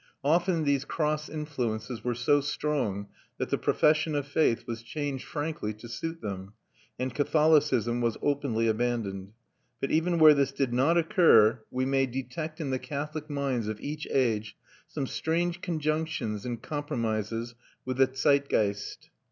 Often these cross influences were so strong that the profession of faith was changed frankly to suit them, and Catholicism was openly abandoned; but even where this did not occur we may detect in the Catholic minds of each age some strange conjunctions and compromises with the Zeitgeist.